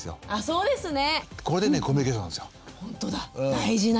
そうですね。